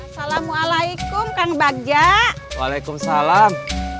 assalamualaikum kang bagja waalaikumsalam